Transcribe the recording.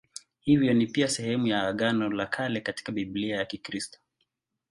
Hivyo ni pia sehemu ya Agano la Kale katika Biblia ya Kikristo.